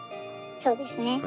そうですね。